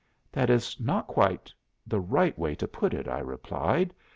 '" "'That is not quite the right way to put it,' I replied.